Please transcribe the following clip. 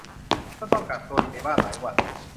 เมื่อต้องกักตัวอยู่ในบ้านหลายวัน